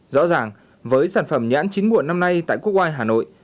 rõ ràng với sản phẩm nhãn chín muộn năm nay tại quốc ngoài hà nội